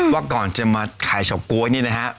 ว่าก่อนจะมาขายเฉาก๊วยนี่นะฮะ